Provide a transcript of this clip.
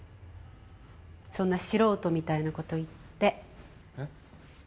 そんな素人みたいなこと言ってえッ？